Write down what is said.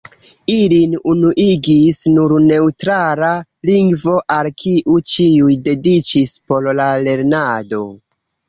Ilin unuigis nur neŭtrala lingvo, al kiu ĉiuj dediĉis por la lernado.